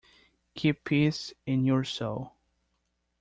Keep peace in your soul.